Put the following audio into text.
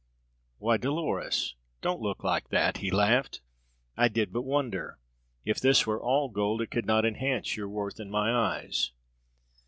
"Why, Dolores, don't look like that," he laughed. "I did but wonder. If this were all gold, it could not enhance your worth in my eyes."